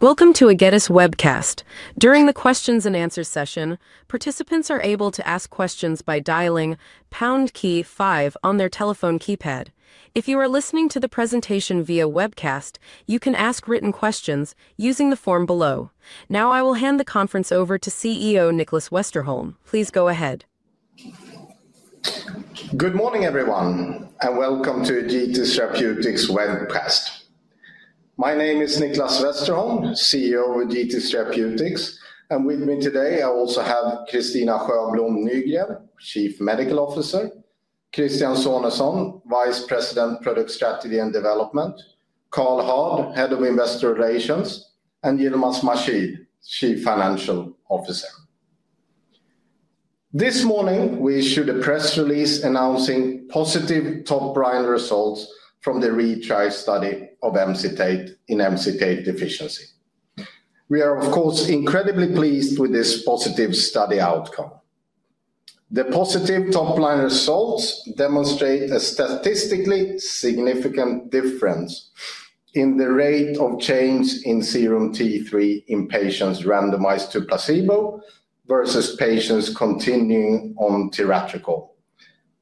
Welcome to Egetis Webcast. During the Q&A session, participants are able to ask questions by dialing #5 on their telephone keypad. If you are listening to the presentation via webcast, you can ask written questions using the form below. Now, I will hand the conference over to CEO Nicklas Westerholm. Please go ahead. Good morning, everyone, and welcome to Egetis Therapeutics Webcast. My name is Nicklas Westerholm, CEO of Egetis Therapeutics, and with me today I also have Kristina Sjöblom Nygren, Chief Medical Officer, Kristian Sonesson, Vice President, Product Strategy and Development, Karl Hård, Head of Investor Relations, and Yilmaz Mahshid, Chief Financial Officer. This morning we issued a press release announcing positive top-line results from the ReTRIACt study of MCT8 in MCT8 deficiency. We are, of course, incredibly pleased with this positive study outcome. The positive top-line results demonstrate a statistically significant difference in the rate of change in serum T3 in patients randomized to placebo versus patients continuing on tiratricol,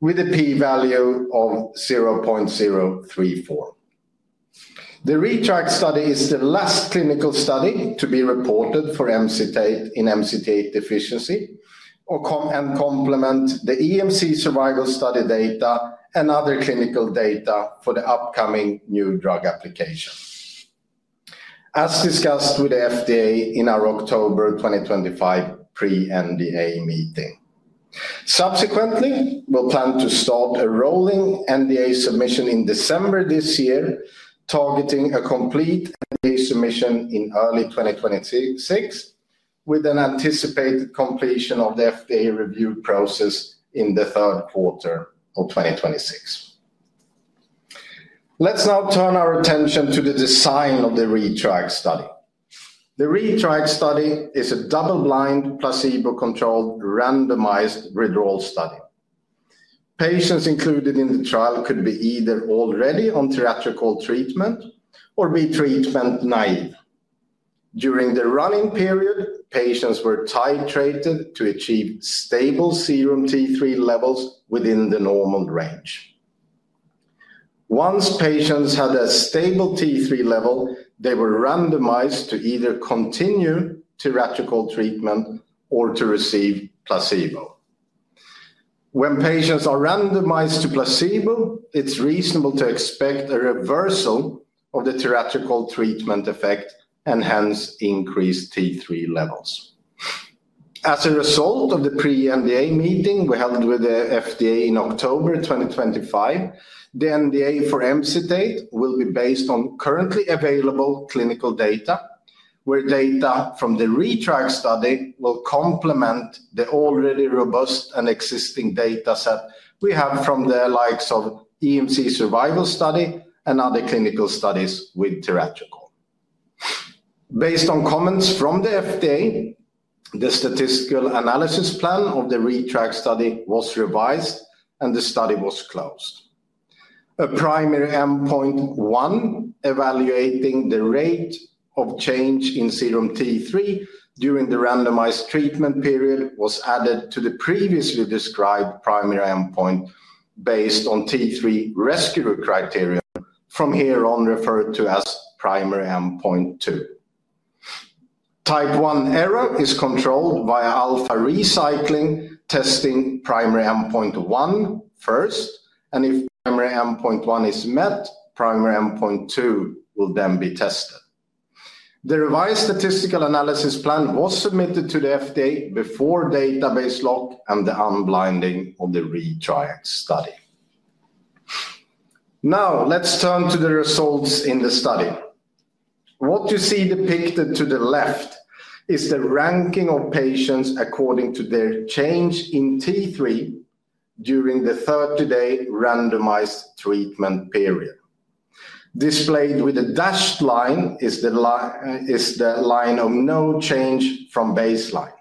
with a p-value of 0.034. The ReTRIACt study is the last clinical study to be reported for Emcitate in MCT8 deficiency and complements the EMC survival study data and other clinical data for the upcoming new drug application, as discussed with the FDA in our October 2025 pre-NDA meeting. Subsequently, we'll plan to start a rolling NDA submission in December this year, targeting a complete NDA submission in early 2026, with an anticipated completion of the FDA review process in the third quarter of 2026. Let's now turn our attention to the design of the ReTRIACt study. The ReTRIACt study is a double-blind, placebo-controlled, randomized withdrawal study. Patients included in the trial could be either already on tiratricol treatment or be treatment naive. During the run-in period, patients were titrated to achieve stable serum T3 levels within the normal range. Once patients had a stable T3 level, they were randomized to either continue tiratricol treatment or to receive placebo. When patients are randomized to placebo, it's reasonable to expect a reversal of the tiratricol treatment effect and hence increased T3 levels. As a result of the pre-NDA meeting we held with the FDA in October 2025, the NDA for Emcitate will be based on currently available clinical data, where data from the ReTRIACt study will complement the already robust and existing dataset we have from the likes of the EMC survival study and other clinical studies with tiratricol. Based on comments from the FDA, the statistical analysis plan of the ReTRIACt study was revised, and the study was closed. A Primary Endpoint 1, evaluating the rate of change in serum T3 during the randomized treatment period, was added to the previously described Primary Endpoint based on T3 rescue criteria, from here on referred to as primary endpoint 2. Type 1 error is controlled via alpha recycling, testing Primary Endpoint 1 first, and if Primary Endpoint 1 is met, Primary Endpoint 2 will then be tested. The revised statistical analysis plan was submitted to the FDA before database lock and the unblinding of the ReTRIACt study. Now, let's turn to the results in the study. What you see depicted to the left is the ranking of patients according to their change in T3 during the 30-day randomized treatment period. Displayed with a dashed line is the line of no change from baseline.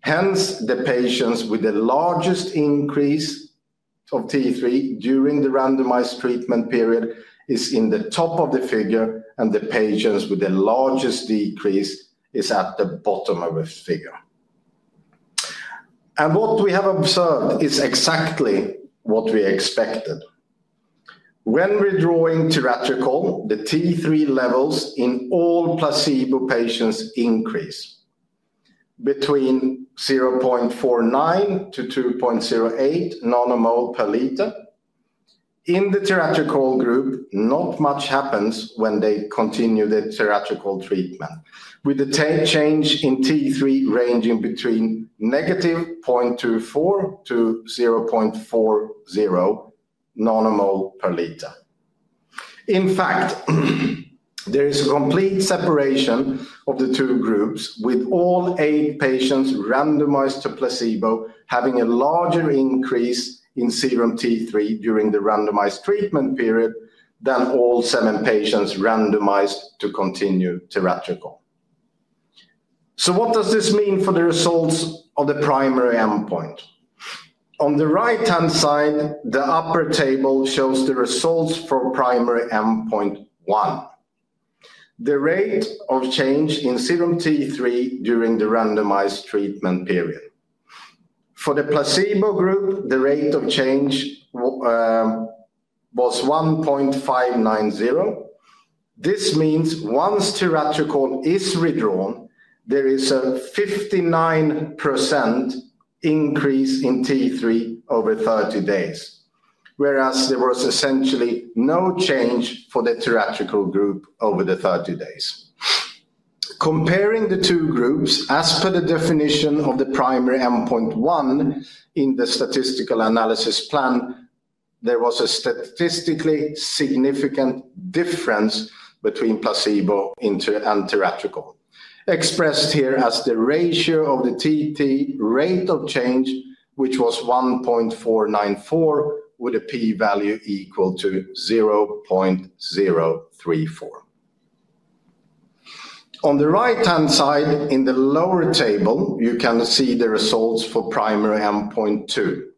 Hence, the patients with the largest increase of T3 during the randomized treatment period are in the top of the figure, and the patients with the largest decrease are at the bottom of the figure. What we have observed is exactly what we expected. When withdrawing Emcitate, the T3 levels in all placebo patients increase between 0.49-2.08 nanomole per liter. In the Emcitate Group, not much happens when they continue the Emcitate treatment, with the change in T3 ranging between negative 0.24-0.40 nanomole per liter. In fact, there is a complete separation of the two groups, with all eight patients randomized to placebo having a larger increase in serum T3 during the randomized treatment period than all seven patients randomized to continue Emcitate. What does this mean for the results of the primary endpoint? On the right-hand side, the upper table shows the results for primary endpoint 1: the rate of change in serum T3 during the randomized treatment period. For the placebo group, the rate of change was 1.590. This means once Emcitate is withdrawn, there is a 59% increase in T3 over 30 days, whereas there was essentially no change for the Emcitate group over the 30 days. Comparing the two groups, as per the definition of the Primary Endpoint 1 in the statistical analysis plan, there was a statistically significant difference between placebo and Emcitate, expressed here as the ratio of the T3 rate of change, which was 1.494, with a p-value equal to 0.034. On the right-hand side, in the lower table, you can see the results for Primary Endpoint 2.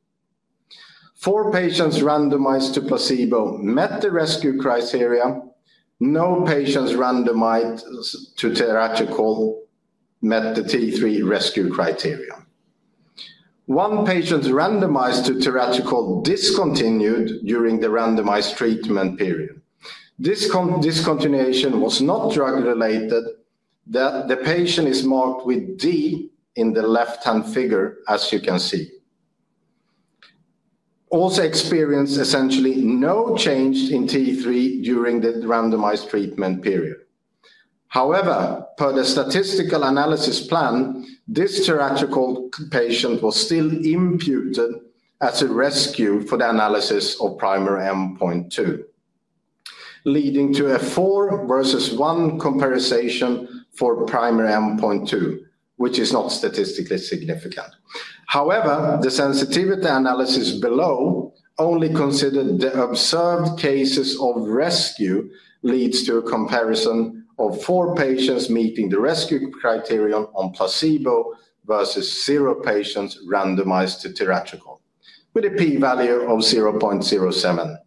Four patients randomized to placebo met the rescue criteria. No patients randomized to Emcitate met the T3 rescue criteria. One patient randomized to tiratricol discontinued during the randomized treatment period. This discontinuation was not drug-related. The patient is marked with D in the left-hand figure, as you can see. Also experienced essentially no change in T3 during the randomized treatment period. However, per the statistical analysis plan, this tiratricol patient was still imputed as a rescue for the analysis of Primary Endpoint 2, leading to a 4 versus 1 comparison for Primary Endpoint 2, which is not statistically significant. However, the sensitivity analysis below only considered the observed cases of rescue, leads to a comparison of four patients meeting the rescue criterion on placebo versus zero patients randomized to Tiratricol, with a p-value of 0.070.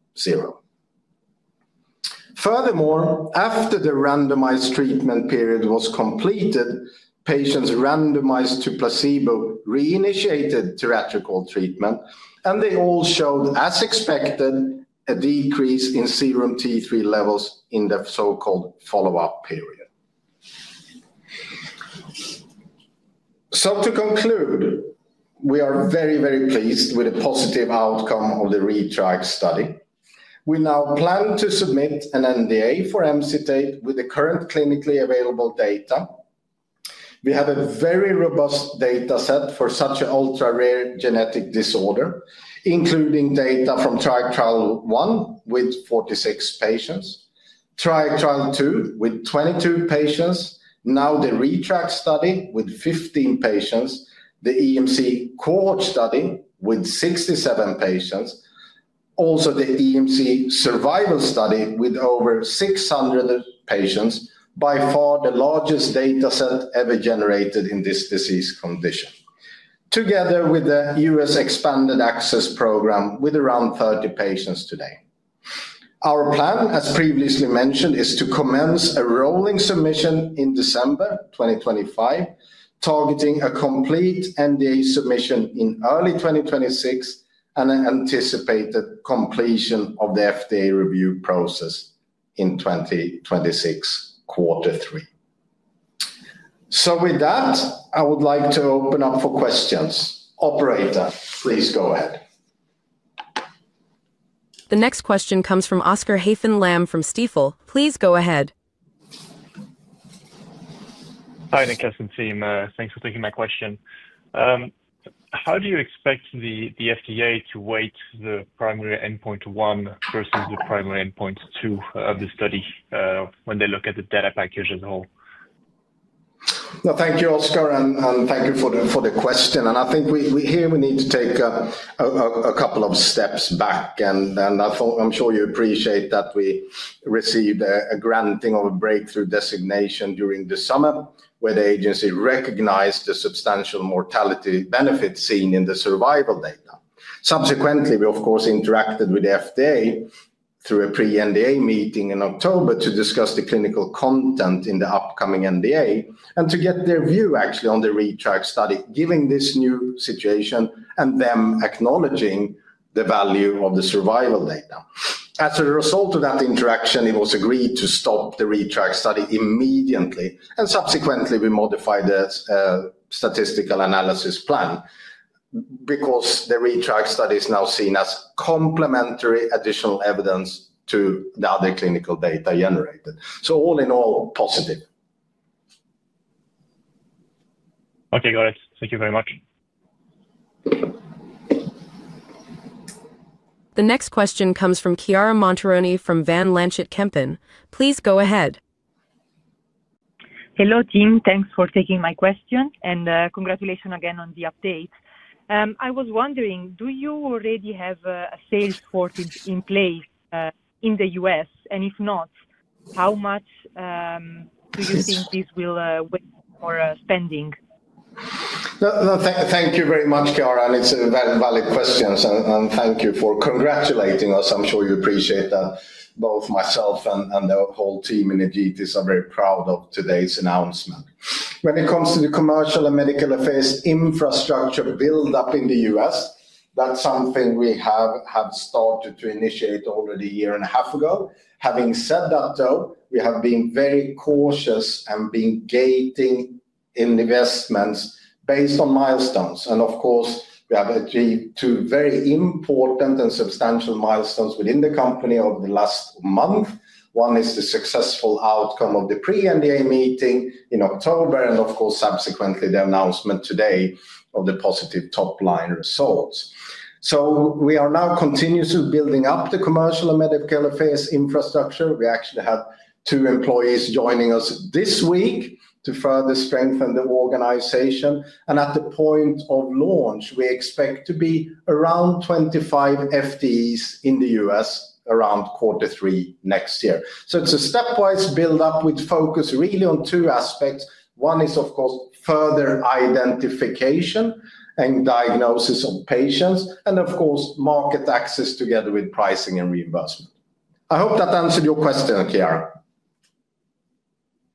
Furthermore, after the randomized treatment period was completed, patients randomized to placebo reinitiated tiratricol treatment, and they all showed, as expected, a decrease in serum T3 levels in the so-called follow-up period. To conclude, we are very, very pleased with the positive outcome of the ReTRIACt study. We now plan to submit an NDA for MCT8 with the current clinically available data. We have a very robust dataset for such an ultra-rare genetic disorder, including data from trial 1 with 46 patients, trial 2 with 22 patients, now the ReTRIACt study with 15 patients, the EMC cohort study with 67 patients, also the EMC survival study with over 600 patients, by far the largest dataset ever generated in this disease condition, together with the US Expanded Access Program with around 30 patients today. Our plan, as previously mentioned, is to commence a rolling submission in December 2025, targeting a complete NDA submission in early 2026 and anticipated completion of the FDA review process in 2026, quarter three. With that, I would like to open up for questions. Operator, please go ahead. The next question comes from Oscar Haffen Lamm from Stifel. Please go ahead. Hi, Nicklas and team. Thanks for taking my question. How do you expect the FDA to weight the Primary Endpoint 1 versus the Primary Endpoint 2 of the study when they look at the data package as a whole? Thank you, Oscar, and thank you for the question. I think here we need to take a couple of steps back. I'm sure you appreciate that we received a granting of a breakthrough therapy designation during the summer, where the agency recognized the substantial mortality benefit seen in the survival data. Subsequently, we, of course, interacted with the FDA through a pre-NDA meeting in October to discuss the clinical content in the upcoming NDA and to get their view, actually, on the ReTRIACt study, given this new situation, and them acknowledging the value of the survival data. As a result of that interaction, it was agreed to stop the ReTRIACt study immediately. Subsequently, we modified the statistical analysis plan because the ReTRIACt study is now seen as complementary additional evidence to the other clinical data generated. All in all, positive. Okay, got it. Thank you very much. The next question comes from Chiara Montironi from Van Lanschot Kempen. Please go ahead. Hello, team. Thanks for taking my question, and congratulations again on the update. I was wondering, do you already have a sales force in place in the US? If not, how much do you think this will wait for spending? No, thank you very much, Chiara. It is a valid question. Thank you for congratulating us. I am sure you appreciate that. Both myself and the whole team in Egetis are very proud of today's announcement. When it comes to the commercial and medical affairs infrastructure build-up in the U.S, that is something we have started to initiate already a year and a half ago. Having said that, though, we have been very cautious in gating investments based on milestones. Of course, we have achieved two very important and substantial milestones within the company over the last month. One is the successful outcome of the pre-NDA meeting in October, and, of course, subsequently, the announcement today of the positive top-line results. We are now continuously building up the commercial and medical affairs infrastructure. We actually have two employees joining us this week to further strengthen the organization. At the point of launch, we expect to be around 25 FTEs in the U.S. around quarter three next year. It is a stepwise build-up with focus really on two aspects. One is, of course, further identification and diagnosis of patients, and of course, market access together with pricing and reimbursement. I hope that answered your question, Chiara.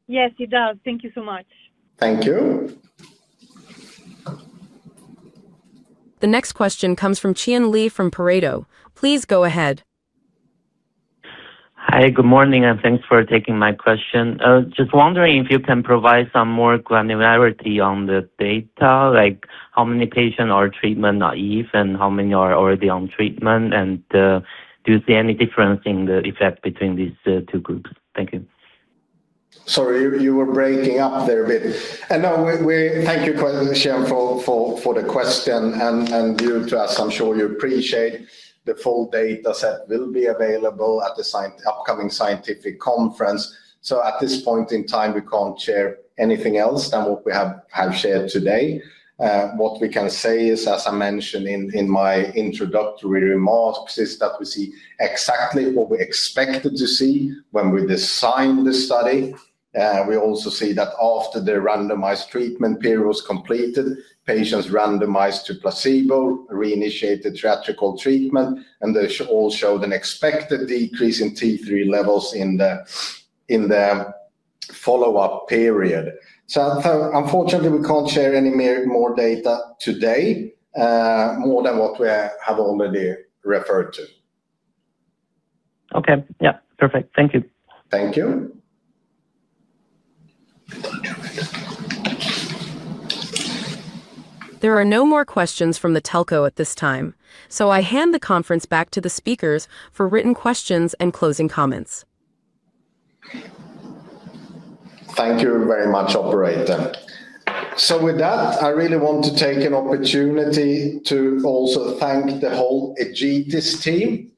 Yes, it does. Thank you so much. Thank you. The next question comes from Qian Li from Pareto. Please go ahead. Hi, good morning, and thanks for taking my question. Just wondering if you can provide some more granularity on the data, like how many patients are treatment naive and how many are already on treatment, and do you see any difference in the effect between these two groups? Thank you. Sorry, you were breaking up there a bit. No, thank you, Qian, for the question. You too, as I'm sure you appreciate, the full dataset will be available at the upcoming scientific conference. At this point in time, we can't share anything else than what we have shared today. What we can say is, as I mentioned in my introductory remarks, is that we see exactly what we expected to see when we designed the study. We also see that after the randomized treatment period was completed, patients randomized to placebo reinitiated tiratricol treatment, and they all showed an expected decrease in T3 levels in the follow-up period. Unfortunately, we can't share any more data today, more than what we have already referred to. Okay. Yeah, perfect. Thank you. Thank you. There are no more questions from the telco at this time. I hand the conference back to the speakers for written questions and closing comments. Thank you very much, Operator. With that, I really want to take an opportunity to also thank the whole Egetis team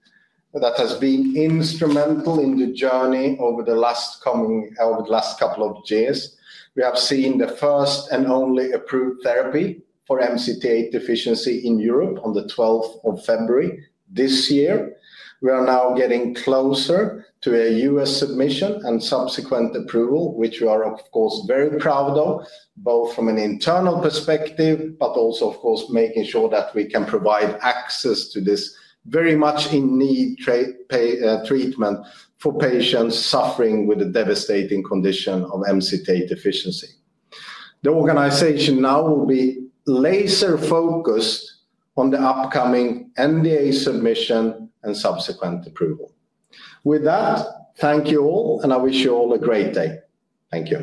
that has been instrumental in the journey over the last couple of years. We have seen the first and only approved therapy for MCT8 deficiency in Europe on the 12th of February this year. We are now getting closer to a U.S. submission and subsequent approval, which we are, of course, very proud of, both from an internal perspective, but also, of course, making sure that we can provide access to this very much in need treatment for patients suffering with a devastating condition of MCT8 deficiency. The organization now will be laser-focused on the upcoming NDA submission and subsequent approval. With that, thank you all, and I wish you all a great day. Thank you.